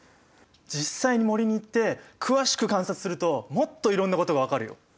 実際に森に行って詳しく観察するともっといろんなことが分かるよ。